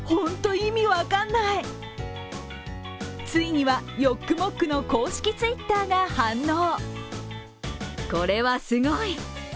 ついにはヨックモックの公式Ｔｗｉｔｔｅｒが反応。